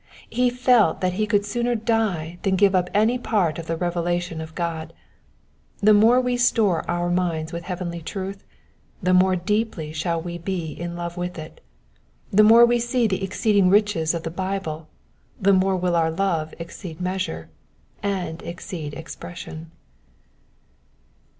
He felt that he could sooner die than give up any part of the revelation of God. The more we store our minds with heavenly truth, the more deeply shall we be in love with it : the more we see the exceeding riches of the Bible the more will our love exceed measure, and exceed expression.